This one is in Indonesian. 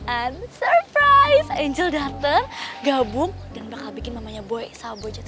and surprise angel dateng gabung dan bakal bikin mamanya boy sawboy jatuh cantik